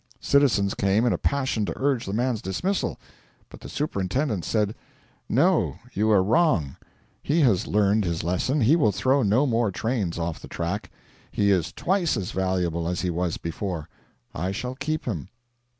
Citizens came in a passion to urge the man's dismissal, but the superintendent said: 'No, you are wrong. He has learned his lesson, he will throw no more trains off the track. He is twice as valuable as he was before. I shall keep him.'